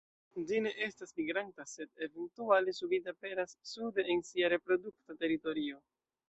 Ĝi ne estas migranta, sed eventuale subite aperas sude de sia reprodukta teritorio.